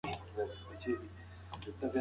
ایا ته په انلاین ازموینه کې شامل یې؟